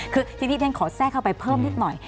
คือทีนี้ฉันขอแทรกเข้าไปเพิ่มนิดหน่อย